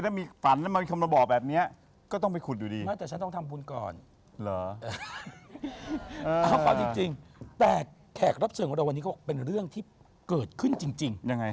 แต่แขกรับเจริญของเราวันนี้ก็บอกเป็นเรื่องที่เกิดขึ้นจริง